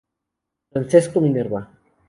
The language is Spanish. Francesco Minerva.